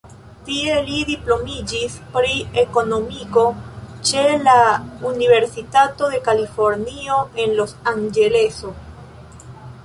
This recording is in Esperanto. Tie li diplomiĝis pri Ekonomiko ĉe la Universitato de Kalifornio en Los-Anĝeleso.